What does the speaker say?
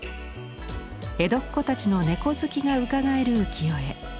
江戸っ子たちの猫好きがうかがえる浮世絵。